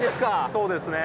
そうですね。